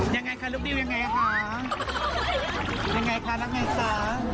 ยังไงคะลูกดิวยังไงคะยังไงคะนักไงจ๊ะ